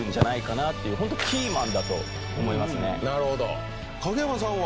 なるほど影山さんは？